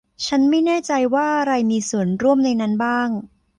ฉันไม่แน่ใจว่าอะไรมีส่วนร่วมในนั้นบ้าง